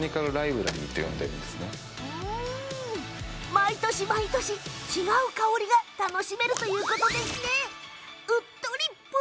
毎年毎年、違う香りが楽しめるということですね。